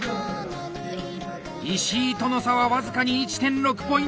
石井との差は僅かに１．６ポイント！